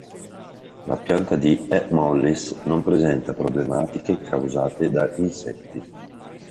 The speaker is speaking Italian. La pianta di "A. mollis" non presenta problematiche causate da insetti.